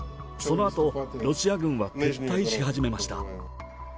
そのあと、ロシア軍は撤退し始めました。